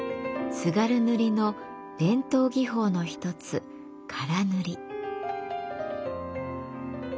津軽塗の伝統技法のひとつ唐塗。